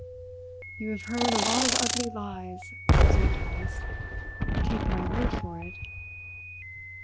"You have heard a lot of ugly lies," observed Heyst. "Take my word for it!"